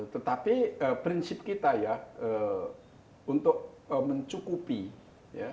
tetapi prinsip kita ya untuk mencukupi ya